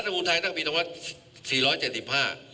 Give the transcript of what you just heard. ๓รัฐบุญไทยตั้งปีต่อมา๔๗๕